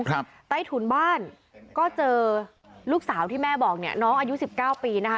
ใต้ถุนบ้านก็เจอลูกสาวที่แม่บอกเนี่ยน้องอายุสิบเก้าปีนะคะ